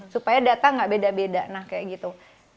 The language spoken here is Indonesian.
supaya data nggak beda beda nah kayak gitu